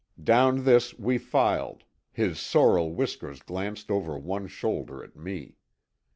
Down this we filed, his Sorrel Whiskers glanced over one shoulder at me.